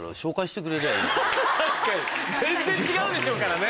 確かに全然違うでしょうからね。